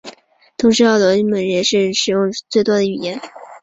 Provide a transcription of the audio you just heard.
同时奥罗莫语也是衣索比亚最多人使用的语言。